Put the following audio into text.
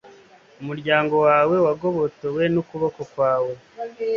Umuryango wawe wagobotowe n’ukuboko kwawe